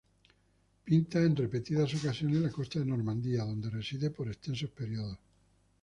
Pinta en repetidas ocasiones la costa de Normandía, donde reside por extensos periodos.